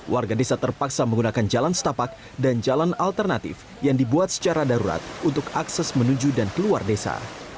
warga desa terpaksa menggunakan jalan setapak dan jalan alternatif yang dibuat secara darurat untuk akses menuju dan keluar desa